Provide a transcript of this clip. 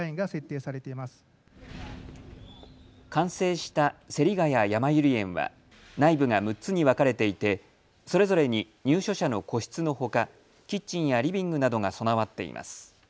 完成した芹が谷やまゆり園は内部が６つに分かれていてそれぞれに入所者の個室のほかキッチンやリビングなどが備わっています。